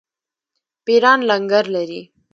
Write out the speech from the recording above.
پیران لنګر لري.